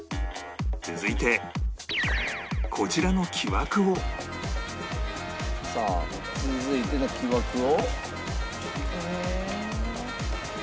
続いてこちらの木枠をさあ続いて木枠を。